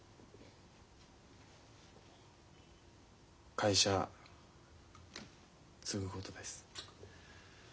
会社継ぐことです。